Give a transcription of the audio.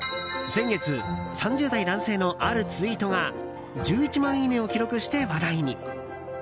先月３０代男性のあるツイートが１１万いいねを記録して話題に。